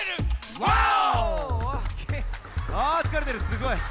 すごい！